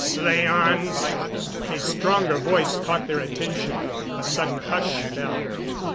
"Slaans " His stronger voice caught their attention. A sudden hush fell.